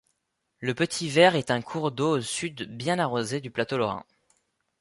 Le Petit Vair est un cours d'eau du sud bien arrosé du plateau lorrain.